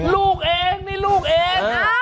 ลูกเองนี่ลูกเองนะ